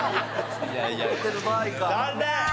残念！